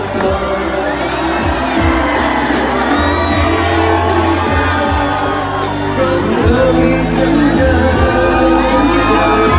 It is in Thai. ก็เธอมีจำนวนจำนวนที่ฉันสุดใจ